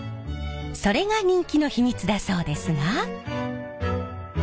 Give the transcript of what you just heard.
それが人気の秘密だそうですが。